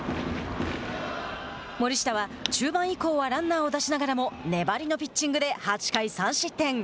森下は、中盤以降はランナーを出しながらも粘りのピッチングで８回３失点。